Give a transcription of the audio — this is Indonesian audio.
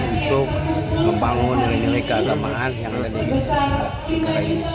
untuk membangun keamanan yang lebih baik